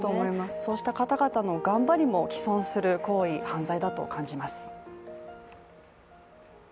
そうした方々の頑張りも毀損する行為犯罪だと思います。